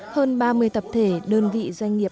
hơn ba mươi tập thể đơn vị doanh nghiệp